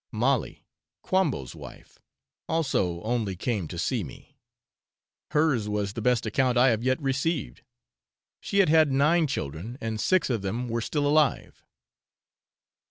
Molly, Quambo's wife, also only came to see me; hers was the best account I have yet received; she had had nine children, and six of them were still alive.